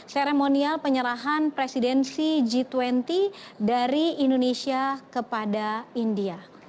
seremonial penyerahan presidensi g dua puluh dari indonesia kepada india